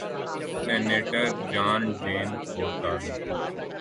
senator John Danforth R مو